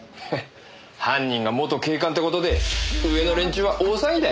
犯人が元警官って事で上の連中は大騒ぎだよ。